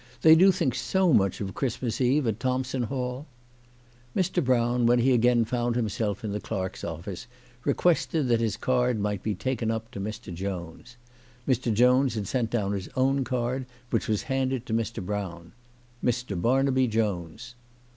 They do think so much of Christmas Eve at Thompson Hall !" Mr. Brown, when he again found himself in the clerk's office, requested that his card might be taken up to Mr. Jones. Mr. Jones had sent down his own card, which was handed to Mr. Brown :" Mr. Barnaby Jones."